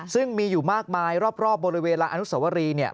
ซึ่งมีอยู่มากมายรอบบริเวณลานอนุสวรีเนี่ย